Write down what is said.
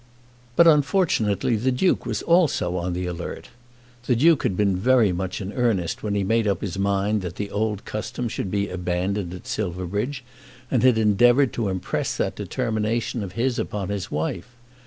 But unfortunately the Duke was also on the alert. The Duke had been very much in earnest when he made up his mind that the old custom should be abandoned at Silverbridge and had endeavoured to impress that determination of his upon his wife.